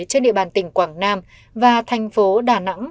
trên địa bàn tỉnh quảng nam và thành phố đà nẵng